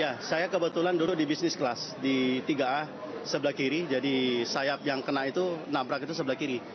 ya saya kebetulan dulu di bisnis kelas di tiga a sebelah kiri jadi sayap yang kena itu nabrak itu sebelah kiri